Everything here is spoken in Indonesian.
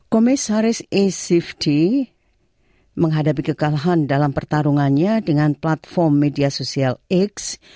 komisaris a safet menghadapi kekalahan dalam pertarungannya dengan platform media sosial x